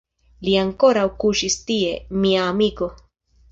Li ankoraŭ kuŝis tie, mia amiko.